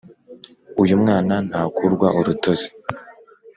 Uyu mwana ntakurwa urutozi